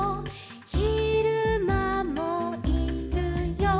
「ひるまもいるよ」